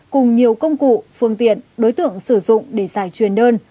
cùng nhiều công cụ phương tiện đối tượng sử dụng để giải truyền đơn